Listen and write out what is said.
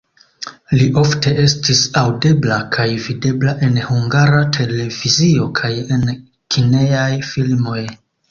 Li ofte estis aŭdebla kaj videbla en Hungara Televizio kaj en kinejaj filmoj.